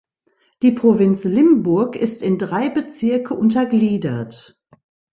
Die Provinz Limburg ist in drei Bezirke untergliedert.